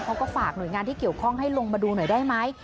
เขาก็ฝากหน่วยงานที่เกี่ยวข้องให้ลงมาดูหน่อยได้ไหม